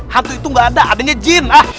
hantu itu gak ada adanya jin